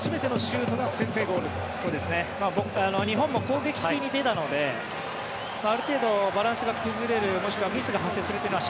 日本も攻撃的に出たのである程度、バランスが崩れるもしくはミスが発生するというのは